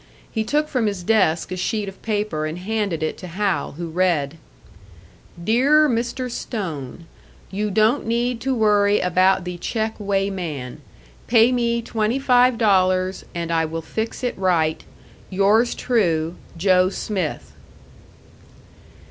He took from his desk a sheet of paper and handed it to Hal, who read: "Dere mister Stone, You don't need worry about the check wayman. Pay me twenty five dollars, and I will fix it right. Yours try, Joe Smith."